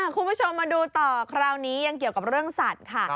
คุณผู้ชมมาดูต่อคราวนี้ยังเกี่ยวกับเรื่องสัตว์ค่ะ